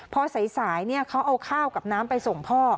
พอสายเขาเอาข้าวกับน้ำไปส่งพ่อ